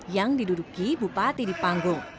yang diduduki bupati di panggung